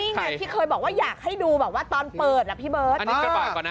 นี่ไงที่เคยบอกอยากให้ดูตอนเปิดอันนี้กระบาดก่อนนะ